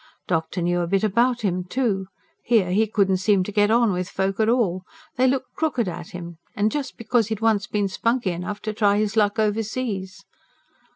Doctor knew a bit about him, too. Here, he couldn't seem to get on with folk at all. They looked crooked at him, and just because he'd once been spunky enough to try his luck overseas.